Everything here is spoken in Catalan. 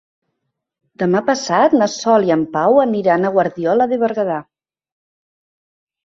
Demà passat na Sol i en Pau aniran a Guardiola de Berguedà.